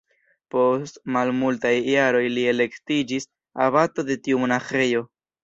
Post malmultaj jaroj li elektiĝis abato de tiu monaĥejo.